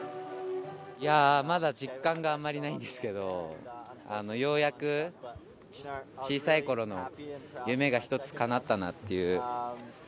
いやー、まだ実感があんまりないんですけど、ようやく小さいころの夢が一つかなったなっていう。